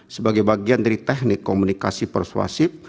sebagai bagian dari teknik komunikasi persuasif